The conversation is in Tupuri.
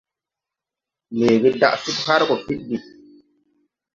Leege daʼ sug har gɔ fidgi.